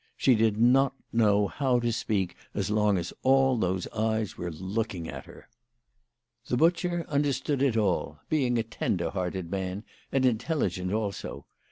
She did not know how to speak as long as all those eyes were looking at her. The butcher understood it all, being a tender hearted man, and intelligent also.